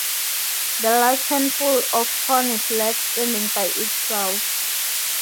The last handful of corn is left standing by itself.